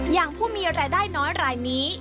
อย่างผู้มีรายได้น้อยรายนี้